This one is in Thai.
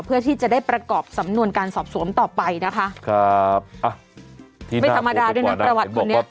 เพื่อที่จะได้ประกอบสำนวนการสอบสวนต่อไปนะคะครับอ่ะไม่ธรรมดาด้วยนะประวัติคนนี้